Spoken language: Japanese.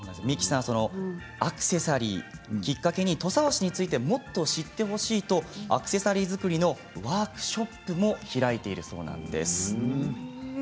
美紀さんはアクセサリーをきっかけに土佐和紙についてもっと知ってほしいとアクセサリー作りのワークショップも開いているそうなんです。